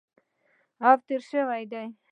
او تېر شوي دي